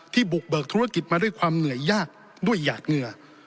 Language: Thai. บุกเบิกธุรกิจมาด้วยความเหนื่อยยากด้วยหยาดเหงื่อ